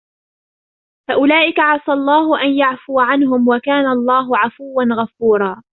فأولئك عسى الله أن يعفو عنهم وكان الله عفوا غفورا